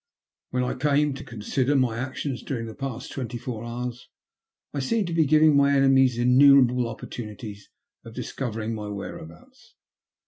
When I came to consider my actions during the past twenty four hours, I seemed to be giving my enemies innumerable opportunities of discovering my where abouts.